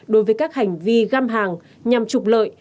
đối với các hành vi găm hàng nhằm trục lợi